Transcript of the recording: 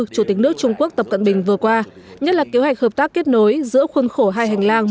chủ tịch nước trung quốc tập cận bình vừa qua nhất là kế hoạch hợp tác kết nối giữa khuôn khổ hai hành lang